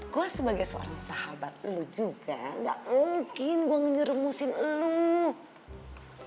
gue sebagai seorang sahabat lu juga nggak minggu mengyermusin eimmit